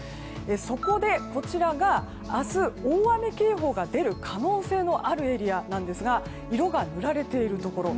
そこで明日、大雨警報が出る可能性のあるエリアなんですが色が塗られているところ